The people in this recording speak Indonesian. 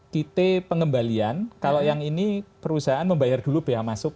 kita pengembalian kalau yang ini perusahaan membayar dulu bea masuk